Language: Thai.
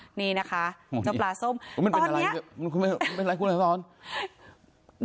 เจ้าปลาส้มตอนนี้